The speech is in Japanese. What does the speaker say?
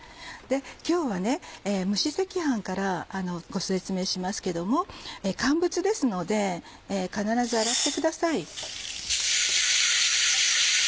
今日は蒸し赤飯からご説明しますけども乾物ですので必ず洗ってください。